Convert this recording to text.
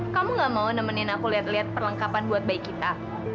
kamu gak mau nemenin aku lihat lihat perlengkapan buat bayi kita